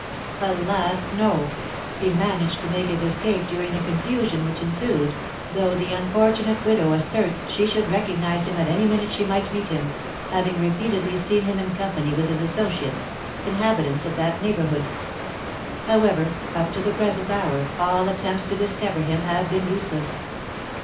"Alas, no! He managed to make his escape during the confusion which ensued, though the unfortunate widow asserts she should recognise him at any minute she might meet him, having repeatedly seen him in company with his associates, inhabitants of that neighbourhood. However, up to the present hour all attempts to discover him have been useless.